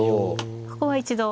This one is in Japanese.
ここは一度。